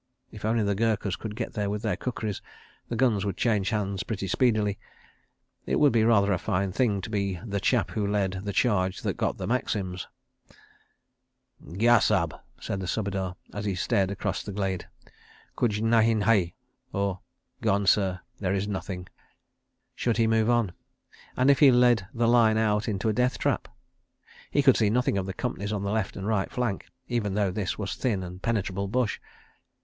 If only the Gurkhas could get there with their kukris, the guns would change hands pretty speedily. ... It would be rather a fine thing to be "the chap who led the charge that got the Maxims." ... "Gya, Sahib," said the Subedar as he stared across the glade. "Kuch nahin hai." Should he move on? And if he led the line out into a deathtrap? ... He could see nothing of the companies on the left and right flank, even though this was thin and penetrable bush.